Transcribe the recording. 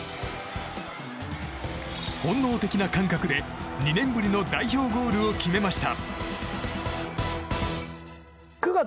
本能的な感覚で２年ぶりの代表ゴールを決めました。